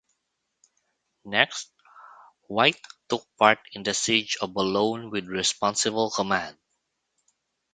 Next, Wyatt took part in the siege of Boulogne with responsible command.